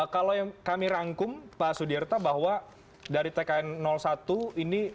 kalau yang kami rangkum pak sudirta bahwa dari tkn satu ini